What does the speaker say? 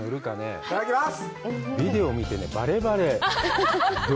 いただきます！